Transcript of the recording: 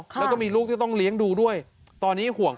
แล้วก็มีลูกที่ต้องเลี้ยงดูด้วยตอนนี้ห่วง